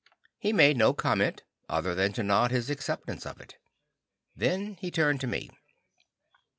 He made no comment other than to nod his acceptance of it. Then he turned to me.